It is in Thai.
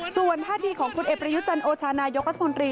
ส่วนท่าทีของพลเอกประยุจันโอชานายกรัฐมนตรี